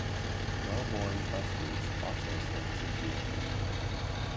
Melbourne bus routes also services the area.